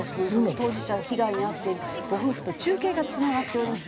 当事者被害に遭っているご夫婦と中継がつながっております。